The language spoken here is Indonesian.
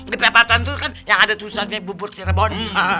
di perapatan itu kan yang ada tulisannya bubur cirebon